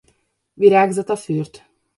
Virágzata fürt.